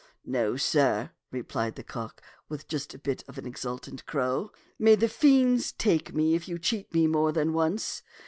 "No, sir," replied the cock, with just a bit of an exultant crow; "may the fiends take me if you cheat me more than once.